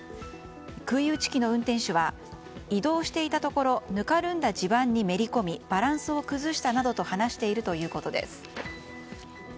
杭打ち機の運転手は移動していたところぬかるんだ地盤にめり込みバランスを崩したなどと話しているということです。